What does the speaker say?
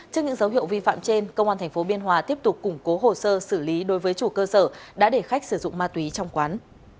trước những dấu hiệu vi phạm trên công an tp biên hòa tiếp tục củng cố hồ sơ xử lý đối với chủ cơ sở đã để khách sử dụng ma túy trong quán